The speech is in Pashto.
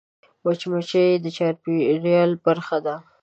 مچمچۍ د چاپېریال برخه ده